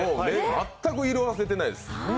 全く色あせてないです。